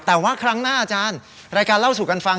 แต่ว่าครั้งหน้าอาจารย์รายการเล่าสู่กันฟัง